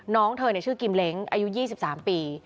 น้องเธอเนี่ยชื่อกิมเล้งอายุยี่สิบสามปี